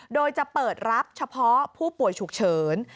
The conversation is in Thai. โดยจะเปิดรับเฉพาะผู้ป่วยฉุกเฉิน